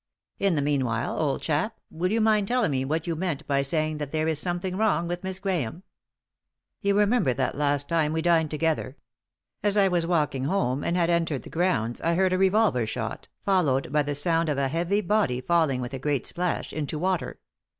In the meanwhile, old chap, will you mind telling me what you meant by saying that there is something wrong with Miss Grahame ?"" You remember that last time we dined together ? As I was walking home, and had entered the 261 :>ig!fe e d> Google THE INTERRUPTED KISS grounds, I heard a revolver shot, followed by the sound of a heavy body felling with a great splash into water.